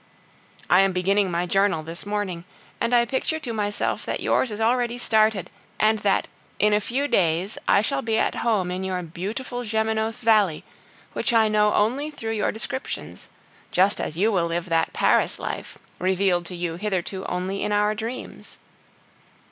I am beginning my journal this morning, and I picture to myself that yours is already started, and that, in a few days, I shall be at home in your beautiful Gemenos valley, which I know only through your descriptions, just as you will live that Paris life, revealed to you hitherto only in our dreams.